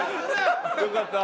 よかった。